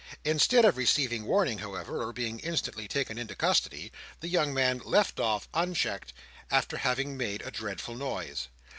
Instead of receiving warning, however, or being instantly taken into custody, the young man left off unchecked, after having made a dreadful noise.